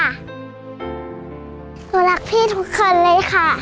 หนูรักพี่ทุกคนเลยค่ะ